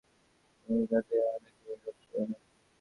আমেরিকাতে অনেকের এই রোগটা হয়।